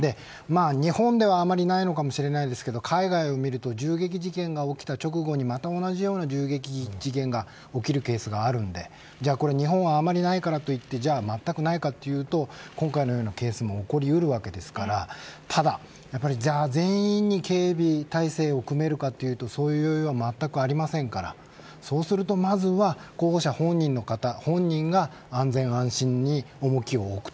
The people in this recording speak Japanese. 日本では、あまりないのかもしれませんが、海外を見ると銃撃事件が起きた直後にまた同じような銃撃事件が起きるケースがあるので日本はあまりないからといってまったくないかというと今回のようなケースも起こりうるわけですからただ全員に警備態勢を組めるかというとそういう余裕はまったくありませんからそうするとまずは候補者本人の方本人が安全安心に重きを置く。